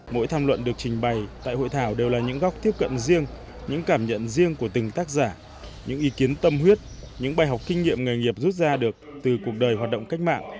mỗi tham luận được trình bày tại hội thảo đều là những góc tiếp cận riêng những cảm nhận riêng của từng tác giả những ý kiến tâm huyết những bài học kinh nghiệm nghề nghiệp rút ra được từ cuộc đời hoạt động cách mạng